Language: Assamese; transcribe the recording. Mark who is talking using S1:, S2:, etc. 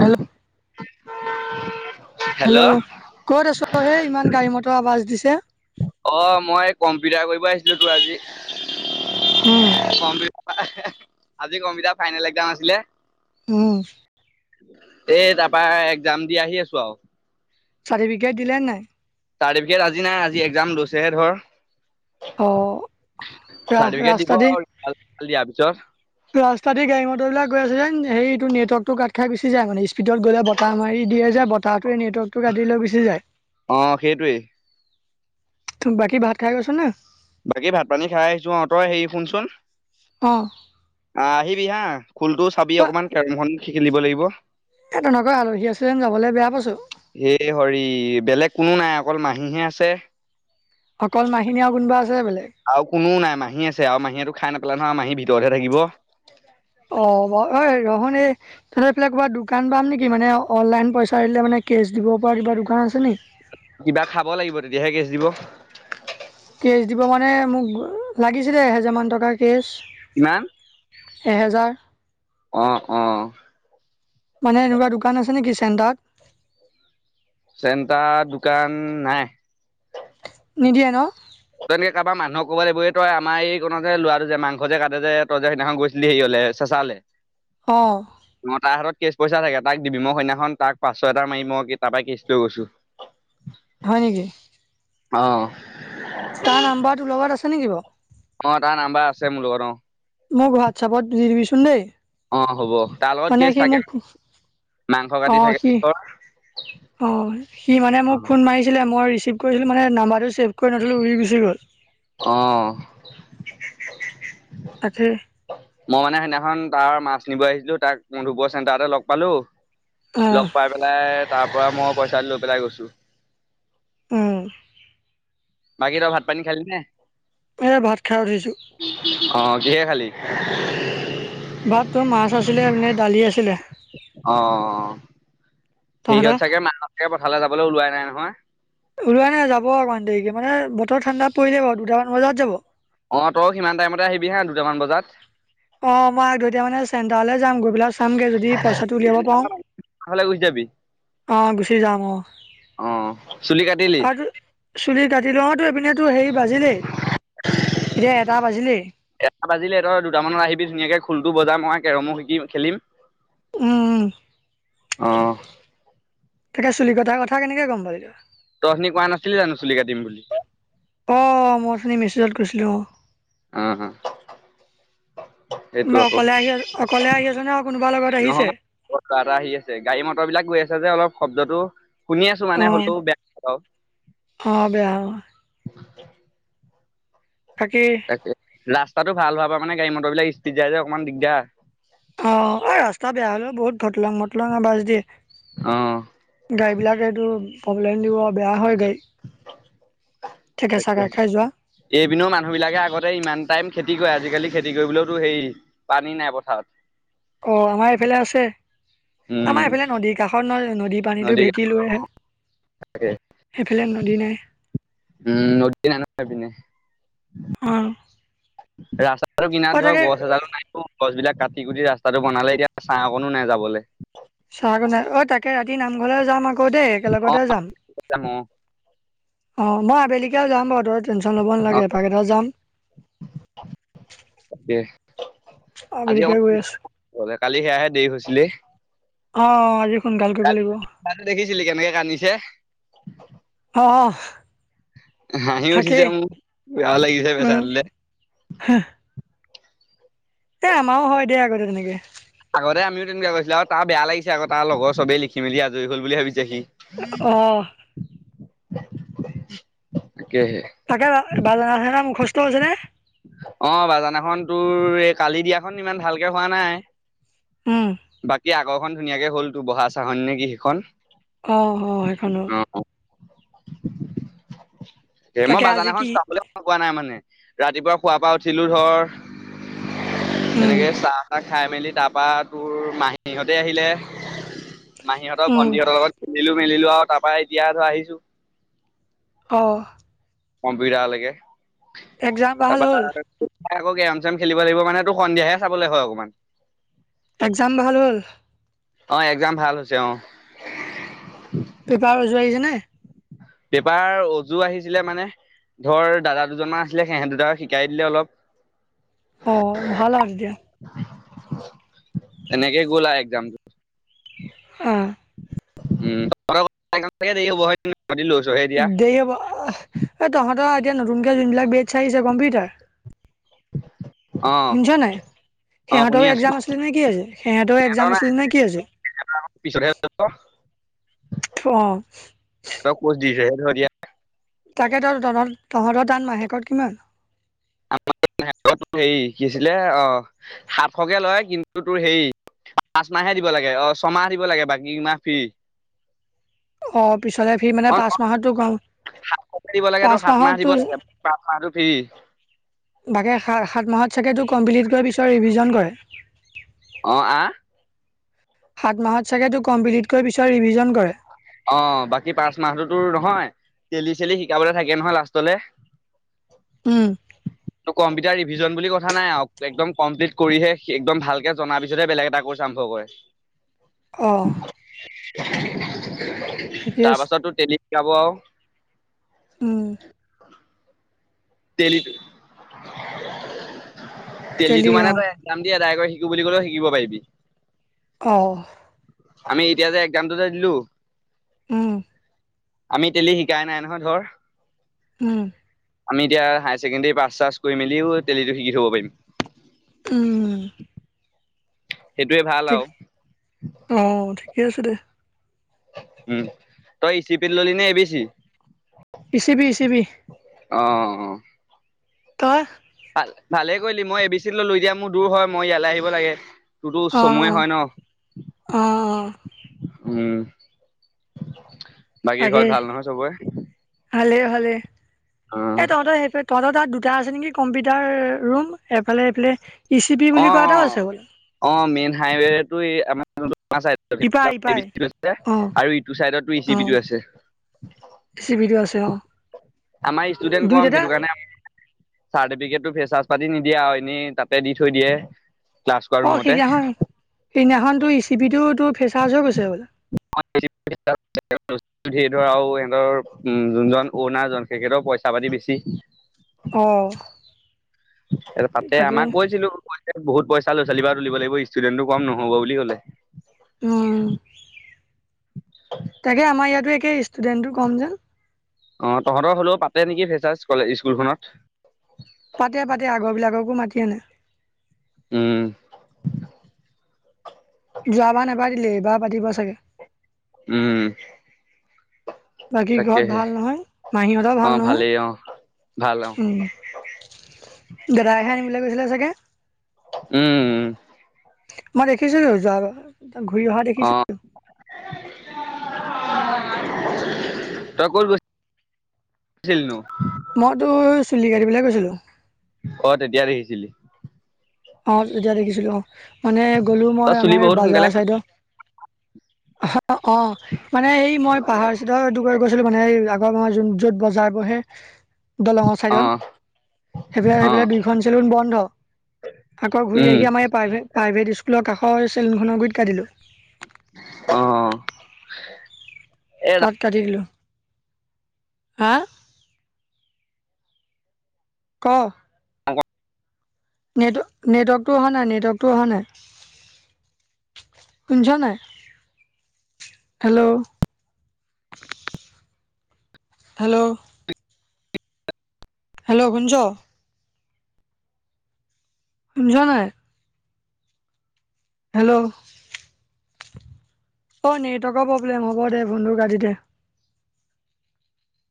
S1: হেল্ল'
S2: [unintelligible]
S1: হেল্ল' ক'ত আছ হেই ইমান গাড়ী মটৰ আবাজ দিছে।
S2: যিটো আজি
S1: উম
S2: আজি কম্পিউটাৰ ফাইনেল একজাম আছিলে।
S1: উম
S2: এ তাপা একজাম দি আহি আছো আৰু
S1: চাৰ্টিফিকেট দিলে নাই।
S2: চাৰ্টিফিকেট আজি নাই। আজি একজাম লৈছেহে ধৰ
S1: অ ৰা
S2: চাৰ্টিফিকেট
S1: ৰাস্তা
S2: দিব
S1: দি
S2: আৰু দিয়াৰ পিছত
S1: ৰাস্তা দি গাড়ী মটৰবিলাক গৈ আছে যেন সেই এইটো নেটৱৰ্কতটো কাট খাই গুচি যায়। মানে গ'লে বতাহ মাৰি দিয়ে যে বতাহটো নেটৱৰ্কতটো গাডি লৈ গুচি যায়।
S2: অ' সেইটোৱেই
S1: ত বাকী ভাত খাই গৈছ নে??
S2: বাকী ভাত পানী খাই আহিছো অ তই হেৰি শুনচোন।
S1: অ'
S2: খুল টো চাবি হা কেৰমখন খেলিব লাগিব।
S1: এ তেনেকৈ আলহী আছে যেন যাবলৈ বেয়া পাইছো
S2: হে হৰি বেলেগ কোনো নাই। অকল মাহীহে আছে।
S1: অকল মাহীনি আৰু কোনোবা আছে বেলেগ
S2: আৰু কোনোও নাই মাহী আছে আৰু মাহীয়ে তোক খাই নোপেলাই নহয় মাহী- ভিতৰত হে থাকিব।
S1: ৰহোন এই তহঁৰ এইফালে কৰবাত দোকান পাম নেকি মানে অনলাইন পইচা দিলে মানে কেছ দিব পৰা কিবা দোকান আছে নেকি।
S2: কিবা খাব লাগিব তেতিয়াহে কেছ দিব
S1: কেচ দিব মানে মোক লাগিছিলে এহেজাৰ মান টকা কেচ
S2: কিমান
S1: এহেজাৰ-
S2: অ অ-
S1: মানে এনেকুৱা দোকান আছে নেকি চেণ্টাৰত
S2: চেণ্টাৰত দোকান নাই।
S1: নিদিয়ে ন
S2: তই এনে কাবা মানুহক ক'ব লাগিব এই তই আমাৰ এই কনতে যে লৰাটো যে মাংস যে কাটে যে তই যে সেইদিনাখন গৈছিলি। হেৰিঅলে- চেচা লে
S1: অঁ
S2: মতা হাতত- কেচ পইচা লাগে তাক দিবি মই সইদিনাখন তাক পাঁচশয় এটা মাৰি মই গিফ টাৰপৰাই কেচ লৈ গৈছো।
S1: হয় নিকি।
S2: অ
S1: তাৰ নাম্বাৰ টো লগত আছে নিকি বাৰু
S2: অ তাৰ নাম্বাৰ আছে মোৰ লগত অ
S1: মোক হোৱাটছআপত দি দিবিচোন দেই
S2: অ হ'ব তাৰ লগত কেছ থাকে। মাংস কাটি
S1: অ
S2: থাকে
S1: সি অ সি মানে মোক ফোন মাৰিছিলে মই ৰিচি কৰিছিলোঁ মানে নাম্বাৰটো ছেভ কৰি নথলো উৰি গুচি গ'ল
S2: অ
S1: তাকে
S2: মই মানে সেইদিনাখন তাৰ মাত আহিছিলো তাক মধুপৰ চেণ্টাৰতে লগ পালো
S1: অঁ
S2: লগ পাই পেলাই তাৰ পৰা মই পইচাটো লৈ পেলাই গৈছোঁ।
S1: উ
S2: বাকি তই ভাত পানী খালি নে?
S1: এই ভাত খাই উঠিছো।
S2: অ কিহে খালী?
S1: ভাত তো মাছ আছিলে এনে দালি আছিলে।
S2: অ সেইহঁত
S1: তহঁতৰ
S2: চাগে পথাললৈ যাবলৈ ওলোৱাই নাই নহয়
S1: ওলোৱাই নাই যাব অকণমান দেৰিকে মানে বতৰ ঠাণ্ডা পৰিলে বাৰু দুটামান বজাত যাব
S2: অ তই সিমান টাইমতে আহিবি হা দুটামান বজাত।
S1: অ মই আগতিয়াকে মানে চেণ্টাৰলৈ যাম গৈ পেলাই চামগৈ যদি পইচাটো উলিয়াব পাওঁ।
S2: ফালে গুচি যাবি
S1: অ গুচি যাম অ।
S2: অ চুলি কাটিলি
S1: আৰু চুলি কাটি লওঁ তো এইপিনে তো হেৰি বাজিলেই এতিয়া এটা বাজিলেই
S2: এটা বাজিলে ধৰ দুটামানত আহিবি ধুনীয়াকে খুলটো বজাম মই কেৰমো শিকিম, খেলিম।
S1: উম
S2: অ
S1: তাকে চুলি কটাৰ কথা কেনৈকে গম পালি তই।
S2: তই অথনি কোৱা নাছিলি জানো চুলি কাতিম বুলি
S1: অঁ মই অথনি মেছেজত কৈছিলোঁ অ
S2: অঁ অঁ
S1: বা অকলে আহি আছ অকলে আহি নে আছে কোনোবা লগত আহিছে
S2: লগত লৰা এটা আহি আছে গাড়ী মটৰ বিলাক গৈ আছে যে অলপ শব্দটো শুনি আছো
S1: অ
S2: মানে হলেও বেয়া।
S1: অ বেয়া অ বাকী
S2: তাকে ৰাস্তাতটো ভাল হোবাৰ পৰা মানে গাড়ী মটৰ বিলাক ইস্পিড যায় যে অকণমান দিগদাৰ।
S1: অ এই ৰাস্তা বেয়া হলেও বহুত ভটলং মটলং আৱাজ
S2: অ
S1: দিয়ে। গাড়ী বিলাকে এইটো প্ৰব্লেম দিব বেয়া হয় গাড়ী ঠেকেচা
S2: তাকে
S1: খাই খাই যোৱা
S2: এইপিনেও মানুহ বিলাকে আগতে ইমান টাইম খেতি কি কয় আজিকালি খেতি কৰিবলৈওতো হেই পানী নাই পথাৰত
S1: অ আমাৰ এইফালে আছে
S2: উম
S1: আমাৰ এইফালে নদীৰ কাষত নহয় যানো নদীৰ পানীটো
S2: নদী
S1: ভেটি লৈ আহে
S2: থাকে
S1: সেইফালে ন দিনাই।
S2: উম নদী নাই নহয় এইপিনে
S1: অ
S2: ৰাস্তা। আৰু কিনাৰ
S1: অ
S2: ধৰ
S1: তাকে
S2: গছ এডালো নাই গছ বিলাক কাটি কুটি ৰাস্তাটো বনালে এতিয়া ছাহ অকণো নাই যাবলে।
S1: চাহক নাই অ তাকে ৰাতি নামঘৰলৈ যাম আক দেই
S2: অ
S1: একেলগতে যাম
S2: যাম অ
S1: অ মই আবেলিকে যাম বাৰু টেনচন ল'ব
S2: অ
S1: নালাগে এটাইকেটা যাম
S2: তাকে আজি
S1: আবেলিকে
S2: অকন
S1: গৈ আছো
S2: সোনকালে কালি সেয়াহে দেৰি হৈছিলে।
S1: অ সোনকাল কৰিব লাগিব
S2: কালি দেখিছিলি কেনেকে কান্দিছে।
S1: অঁ--হ
S2: হাঁহিও উঠিছে মো, বেয়াও লাগিছে বেচেৰা
S1: উম
S2: তুলে।
S1: এ আমাও হ'য় দিয়া আগতে তেনেকে।
S2: দিন বেয়া হৈছিলে আও। তা বেয়া লাগিছে আক', তা লগৰ চবেই লিখি-মেলি আজৰি হ'ল বুলিহে ভাৱিছে সি।
S1: অ
S2: [unintelligible]
S1: তাকে বা [unintelligible] সেইখন মুখষ্ট হৈছে নে?
S2: অঁ, বাজানাখন তোৰ, এ কালি দিয়াখন ইমান ভালকে হোৱা নাই।
S1: উম
S2: বাকি আগৰখন ধুনীয়াকে হ'ল, তোৰ বহা চাহনী নে কি সিখন?
S1: অঁ-হ সেইখন অঁ।
S2: এ মই
S1: তাকে আজি
S2: বাজানাখন
S1: কি
S2: চাবল সময় পোৱা নাই মানে। ৰাতিপুৱা শুৱাপা উঠিলোঁ ধৰ
S1: উম
S2: তেনেকে চাহ-তাহ, খাই-মেলি তাপা, তোৰ মাহীহঁতে আহিলে। মাহীহঁতৰ,
S1: উম
S2: ভণ্টিহঁতৰ লগত খেলিলোঁ- মেলিলোঁ আও, তাপা এতিয়া ধৰ আহিছোঁ।
S1: অঁহ
S2: কম্পিউটাৰলেকে।
S1: এক্সাম ভাল হ'ল?
S2: মই আকৌ গেম- চেম খেলিব লাগিব মানেটো সন্ধিয়াহে চাবলে হ'য় অকমান।
S1: এক্জাম ভাল হ'ল
S2: অঁ, এক্সাম ভাল হৈছে। অঁ
S1: পেপাৰ উজু আহিছে নে?
S2: পেপাৰ উজু আহিছিলে মানে ধৰ দাদা দুজনমান আছিলে সিহেঁত দুটাই শিকাই দিলে অলপ।
S1: অঁ, ভাল আৰু এতিয়া?
S2: এনেকে গ'ল আও এক্সামটো।
S1: অঁহ
S2: [unintelligible] এতিয়া
S1: দেৰি হ'ব। এ তহঁতৰ এতিয়া নতুনকে যোনবিলাক বেছ্‌ চাহিছে কম্পিউটাৰ
S2: অ
S1: শুনিছ নাই?
S2: অ
S1: সিহঁতও
S2: শুনি আছো
S1: এক্সাম আছিলে নে কি আজি? সিহেঁতও
S2: সিহঁতৰ
S1: এক্সাম
S2: নাই
S1: আছিলে নে কি আজি?
S2: পিছতহে যাব
S1: অ
S2: হেঁতক কৰ্চ দিছেহে ক এতিয়া।
S1: তাকে ত' তহঁত, তহঁতৰ তাত মাহেকত কিমান?
S2: আমাৰ নাই। তোৰ হেৰি, কি আছিলে? অঁ সাতশকে লয় কিন্তু তোৰ হেৰি পাচঁমাহে দিব লাগে, অঁহ ছমাহ দিব লাগে। বাকি কেই মাহ ফ্ৰী।
S1: অ পিছলে সি মানে, পাঁচমাহটো কম।
S2: সাতশকে দিব লাগেটো,
S1: পাঁচ
S2: সাতমাহ
S1: মাহত
S2: দিব লাগে। পাঁচমাহটো ফ্ৰী।
S1: বাকি সাত - সাতমাহত চাগেটো কমপ্লিট কৰা পিছত ৰিভিজন কৰে?
S2: অঁ, আঁহ।
S1: সাতমাহত চাগে তো' কমপ্লিট কৰি পিছত ৰিভিজন কৰে?
S2: অঁ, বাকি পাঁচ মাহতোটোৰ, নহয় টেলি- চেলি শিকাবলে থাকে নহয় লাষ্টলে?
S1: উম,
S2: কম্পিউটাৰ ৰিভিজন বুলি কথা নাই আও। একদম কমপ্লিট কৰিহে সি, একদম ভালকে জনা পিছতহে বেলেগ এটা কৰ্চ আৰম্ভ হ'য়।
S1: অঁহ
S2: তাৰ পাছটো টেলি শিকাব আও।
S1: উম,
S2: [inaudible] টেলিটো, টেলিটো
S1: তেলি
S2: মানে,
S1: অ',
S2: তই এক্সাম দিয়ে ট্ৰাই কৰি শিকো বুলি ক'লেও, শিকিব পাৰিবি।
S1: অঁহ
S2: আমি এতিয়া যে এক্সামটো যে দিলোঁ।
S1: ওঁ।
S2: আমি টেলি শিকাই নাই নহয় ধৰ
S1: উম
S2: আমি এতিয়া হায়াৰ ছেকেণ্ডেৰী পাছ চাছ কৰি মেলিও তেলিটো শিকি থ'ব পাৰিম
S1: উম
S2: সেইটোৱে ভাল
S1: ঠিক
S2: আৰু
S1: অ ঠিকে আছে দে
S2: উম তই ই চি পি নে A B C.
S1: A C B A B C.
S2: অ অ।
S1: তই।
S2: ভালে কৰিলি মই এ বি চিত ললো এতিয়া মোৰ দূৰ হয় মই ইয়ালে আহিব লাগে। তোৰতো
S1: অ অ
S2: চমুৱে হয়
S1: অ অ
S2: ন। উম বাকী ঘৰত ভাল নহয় চবৰে।
S1: ভালে ভালে এ
S2: অ',
S1: তহঁতৰ সেই। তহতৰ তাত দুটা আছে নেকি কম্পিউটাৰ ৰুম এইফালে এইফালে। ই চি পি বুলি
S2: অ
S1: কোৱা
S2: অ
S1: এটাও আছে বোলে
S2: অ মেইন হাইৱেটো আমাৰ। আমাৰ চাইডতো
S1: ইপাই
S2: এ চি
S1: ইপাই
S2: বি টো আছে
S1: অ
S2: আৰু ইটো চাইডত ই চি বি টো আছে।
S1: এ চি বিটো আছে অ
S2: আমাৰ ষ্টুডেন্ট কম
S1: দুইটা।
S2: সেইটো কাৰণে চাৰ্টিফিকেটটো ফেচাজ পাতি নিদিয়ে এনেই তাতে দি থৈ দিয়ে। ক্লাছ কৰা
S1: অ
S2: ৰুমতে
S1: সিদিনাখন সিদিনাখন তোৰ ই চি বি টো তোৰ। ফেচাজ হৈ গৈছে বোলে।
S2: সি ধৰা আৰু সিহঁতৰ উম যোনজন অনাৰজন তেখেতৰ পইচা পাতি বেছি।
S1: অ
S2: তাতে
S1: তাকে
S2: আমাক কৈছিলো। বহুত পইচা লৰা ছোৱালী পা তুলিব লাগিব ষ্টুডেণ্টটো কম নহব বুলি ক'লে।
S1: উম
S2: উ [unintelligible]
S1: তাকে আমাৰ ইয়াতো একে ষ্টুডেন্টটো কম যে।
S2: অ তহঁতৰ হ'লেও পাতে নেকি ফেচাচ স্কুলখনত।
S1: পাতে পাতে আগৰবিলাককো মাতি আনে।
S2: উম।
S1: যোৱাবাৰ নেপাতিলে এইবাৰ পাতিব চাগে।
S2: উম।
S1: বাকী ঘৰত
S2: তাকেহে
S1: ভাল নহয় মাহীহঁতৰ
S2: অ
S1: ভাল নহয়
S2: ভালেই অ। ভাল অ।
S1: উম দাদাইহে আনিবলে গৈছিলে চাগে?
S2: উম-উম
S1: মই দেখিছিলোঁ যোৱাতো, ঘূৰি অহাও
S2: অ
S1: দেখিছিলোঁ।
S2: [unintelligible] তই ক'ত গৈ-গৈছিলি নো?
S1: মইতো চুলি কাটিবলে গৈছিলোঁ।
S2: অ তেতিয়া দেখিছিলি।
S1: অ তেতিয়া দেখিছিলো অ মানে গ'লো মই
S2: তই চুলি
S1: আমাৰ
S2: বহুত সোনকালে
S1: বাজাৰ চাইদত। অহ অ মানে এই মই পাহাৰ চিতৰটো গৈছিলো মানে এ। ম যোন য'ত বজাৰ বহে। দলঙৰ
S2: অ
S1: ছাইডত সেইফালে
S2: অ
S1: সেইফালে দুইখন চেলুন বন্ধ। আকৌ ঘূৰি
S2: উম
S1: আহি আমাৰ প্ৰা প্ৰাইভেট স্কুলৰ কাষৰ চেলুনখনৰ গুৰিত কাটিলো।
S2: অহ।
S1: তাত কাটি দিলো হা। ক।
S2: অংক।
S1: নেট নেটৱৰ্কটো অহা নাই নেটৱৰ্কটো অহা নাই। শুনিছ নাই। হেল্ল। হেল্ল'। হেল্ল' শুনি ছ? শুনিছ নাই? হেল্ল'। অ নেটৱৰ্কৰ প্ৰব্লেম হ'ব দে ফনটো কাটি দে।